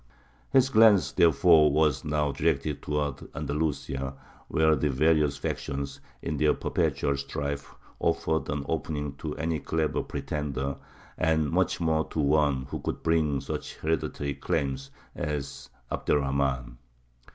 His glance, therefore, was now directed towards Andalusia, where the various factions, in their perpetual strife, offered an opening to any clever pretender, and much more to one who could bring such hereditary claims as Abd er Rahmān.